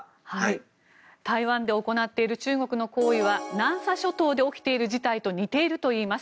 台湾で行っている中国の行為は南沙諸島で起きている事態と似ているといいます。